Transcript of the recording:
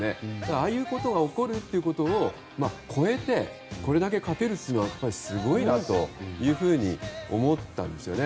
ああいうことが起こるということを超えてこれだけ勝てるというのはやっぱりすごいなというふうに思ったんですよね。